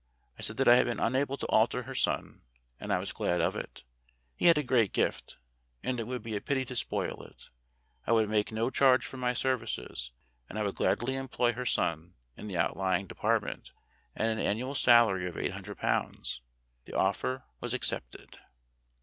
I said that I had been unable to alter her son, and I was glad of it. He had a great gift, and it would be a pity to spoil it. I would make no charge for my services, and I would gladly employ her son in the Outlying Department at an annual sal ary of eight hundred pounds. The offer was ac cepted.